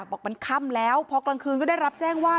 บอกมันค่ำแล้วพอกลางคืนก็ได้รับแจ้งว่า